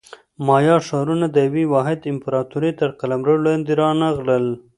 مایا ښارونه د یوې واحدې امپراتورۍ تر قلمرو لاندې رانغلل